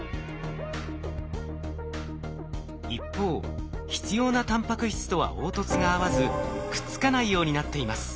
一方必要なタンパク質とは凹凸が合わずくっつかないようになっています。